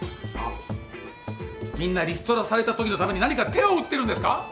あっみんなリストラされたときのために何か手を打ってるんですか？